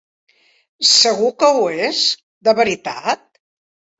Segur que ho és, de veritat?